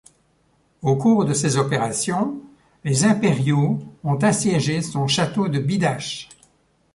Au cours de ces opérations, les Impériaux ont assiégé son château de Bidache.